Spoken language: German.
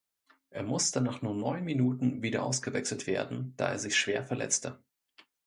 Er musste nach nur neun Minuten wieder ausgewechselt werden, da er sich schwer verletzte.